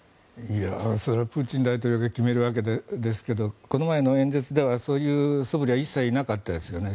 それはプーチン大統領が決めるわけですけどこの前の演説ではそういうそぶりは一切なかったですよね。